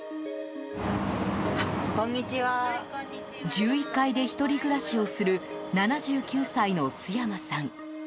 １１階で１人暮らしをする７９歳の須山さん。